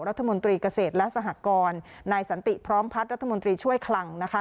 รัฐมนตรีเกษตรและสหกรนายสันติพร้อมพัฒน์รัฐมนตรีช่วยคลังนะคะ